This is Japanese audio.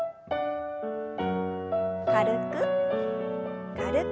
軽く軽く。